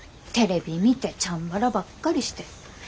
テレビ見てチャンバラばっかりして。